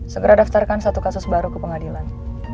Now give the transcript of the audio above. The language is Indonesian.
segera daftarkan satu kasus baru ke pengadilan